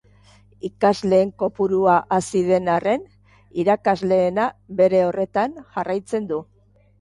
Ikasleen kopurua hazi den arren, irakasleenak bere horretan jarraiten du.